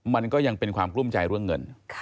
มันก็ยังเป็นความกลุ้มใจเรื่องเงิน